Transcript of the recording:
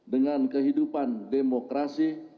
dengan kehidupan demokrasi